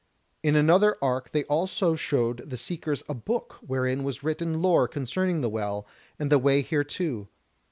In another ark also they showed the seekers a book wherein was written lore concerning the Well, and the way thereto.